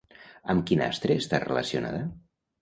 Amb quin astre està relacionada?